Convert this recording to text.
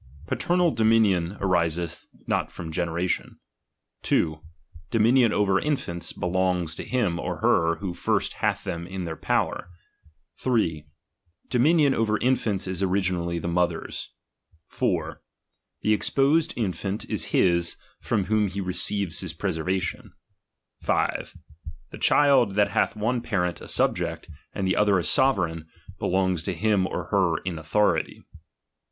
Paternal dominion ariseth not from generation. 2. Dominion over infants belongs to him or her who first hath them in their power. 3. Doniinioo over infants is originally the mother's. 4. The exposed infaot is hia, from whom he receives his pre servation. 5. The child that hath one parent a subject, and the other a sovereign, belongs to him or her in authority.